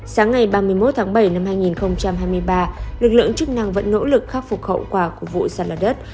sáng ngày ba mươi một tháng bảy năm hai nghìn hai mươi ba lực lượng chức năng vẫn nỗ lực khắc phục khẩu quả của vụ sát lờ đất